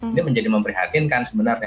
ini menjadi memprihatinkan sebenarnya